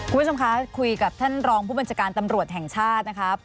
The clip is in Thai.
คุณผู้ชมคะคุยกับท่านรองผู้บัญชาการตำรวจแห่งชาตินะครับ